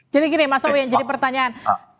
jadi gini mas ouyang jadi pertanyaan